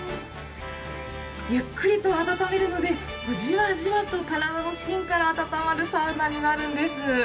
ゆっくりと温めるので、じわじわと体の芯から温まるサウナになるんです。